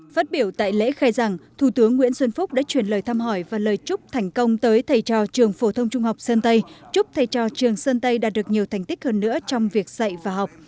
phát biểu tại lễ khai giảng thủ tướng nguyễn xuân phúc đã truyền lời thăm hỏi và lời chúc thành công tới thầy trò trường phổ thông trung học sơn tây chúc thầy trò trường sơn tây đạt được nhiều thành tích hơn nữa trong việc dạy và học